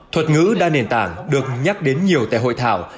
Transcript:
thuật ngữ đa nền tảng được nhắc đến nhiều tại hội thảo